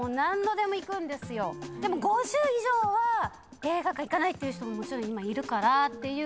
でも５０以上は映画館行かないっていう人ももちろん今いるからっていう。